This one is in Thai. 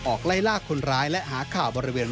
ไล่ลากคนร้ายและหาข่าวบริเวณ